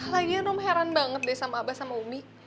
lagian om heran banget deh sama abah sama umi